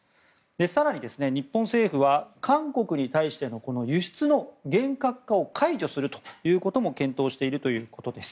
更に、日本政府は韓国に対しての輸出の厳格化を解除するということも検討しているということです。